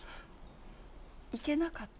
行けなかった？